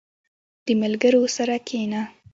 • د ملګرو سره کښېنه.